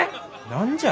何じゃ？